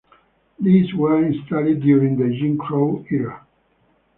These were installed during the Jim Crow era.